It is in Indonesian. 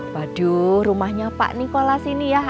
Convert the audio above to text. waduh rumahnya pak nikola sini ya